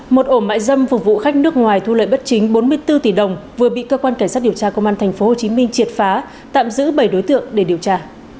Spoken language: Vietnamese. một ổ mại dâm phục vụ khách nước ngoài thu lợi bất chính bốn mươi bốn tỷ đồng vừa bị cơ quan cảnh sát điều tra công an thành phố hồ chí minh triệt phá tạm giữ bảy đối tượng để điều tra